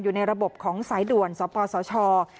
อยู่ในระบบของสายด่วนสปสช